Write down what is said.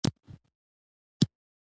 هغه خلکو ته وړیا کتابونه ورکول.